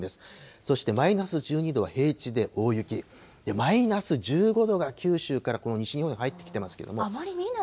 そしてマイナス１２度は平地で大雪、マイナス１５度が九州からこの西日本へ入ってきてますけれども。